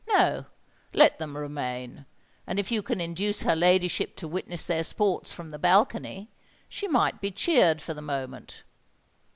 No—let them remain; and if you can induce her ladyship to witness their sports from the balcony, she might be cheered for the moment."